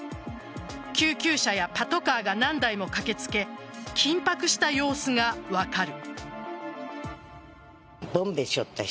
救急車やパトカーが何台も駆け付け緊迫した様子が分かる。